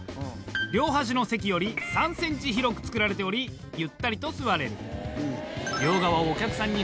両端の席より３ｃｍ広く作られておりゆったりと座れる。